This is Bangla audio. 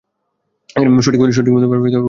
সঠিক বলতে পারবি ওরা আমাদের দেখতে পাচ্ছে নাকি না?